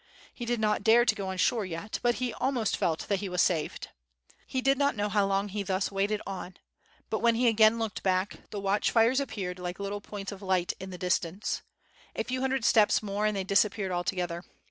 He did not dare to go on shore yet, but he almost felt that he was saved. He did not know how long he thus waded on, but when he again looked back the watchfires appeared like little points of light in the distance; a few hundred steps more und they dis appeared altogether.